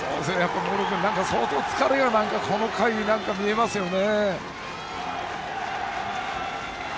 茂呂君、相当疲れがこの回に見えますよね。